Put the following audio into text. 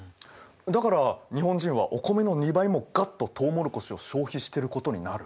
だから日本人はお米の２倍もガッととうもろこしを消費してることになる。